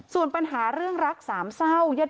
ส่วนปัญหาเรื่องรักสามเศร้า